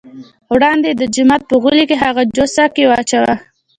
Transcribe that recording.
وړاندې یې د جومات په غولي کې هغه جوسه کې واچوه.